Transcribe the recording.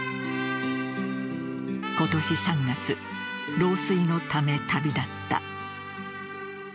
今年３月老衰のため旅立った。